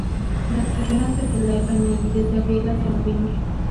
Las carreras se celebran allí desde abril hasta mediados de noviembre.